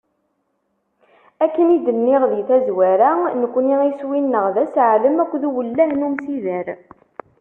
Akken i d-nniɣ di tazwara, nekni iswi-nneɣ d aseɛlem akked uwellah n umsider.